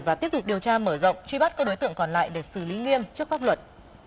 và tiếp tục điều tra mở rộng truy bắt các đối tượng còn lại để xử lý nghiêm trước pháp luật